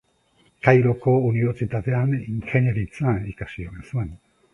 Kairoko unibertsitatean ingeniaritza ikasi omen zuen.